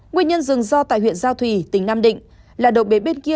nguyên nhân dừng do tại huyện giao thủy tỉnh nam định là đội bế bên kia